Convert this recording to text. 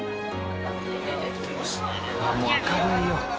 もう明るいよ。